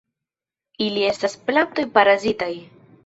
Ili estas plantoj parazitaj.